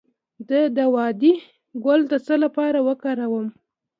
د داودي ګل د څه لپاره وکاروم؟